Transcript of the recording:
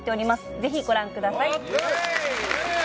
ぜひご覧ください